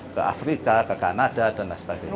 ke afrika ke kanada dan lain sebagainya